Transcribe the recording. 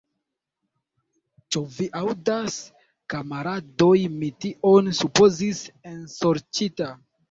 Ĉu vi aŭdas, kamaradoj, mi tion supozis, ensorĉita!